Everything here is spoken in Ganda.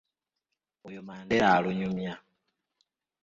Oyo Mandera alunyumya.